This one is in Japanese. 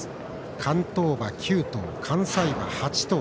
関東馬９頭、関西馬８頭。